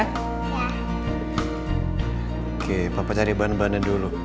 oke papa cari bahan bahannya dulu